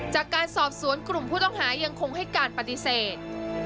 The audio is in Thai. จากการสอบสวนกลุ่มผู้ต้องหายังคงให้การปฏิเสธ